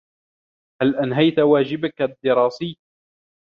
هل انهيت واجبك الدراسى